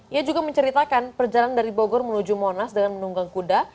ia juga menceritakan perjalanan dari bogor menuju monas dengan menunggang kuda